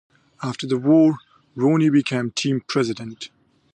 After the war, Rooney became team president.